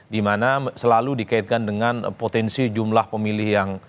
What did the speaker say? dimana selalu dikaitkan dengan potensi jumlah pemilih yang